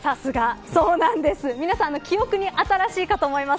皆さん、記憶に新しいかと思います。